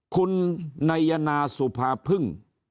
คุณนายนาสุภาพึ่ง